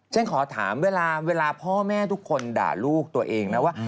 ฉันขอถามเวลาพ่อแม่ทุกคนด่าลูกตัวเองนะว่า